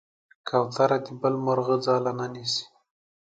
کوتره د بل مرغه ځاله نه نیسي.